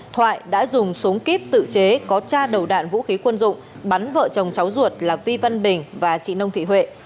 thoại đã dùng súng kíp tự chế có cha đầu đạn vũ khí quân dụng bắn vợ chồng cháu ruột là vi văn bình và chị nông thị huệ